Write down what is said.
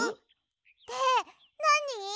ってなに？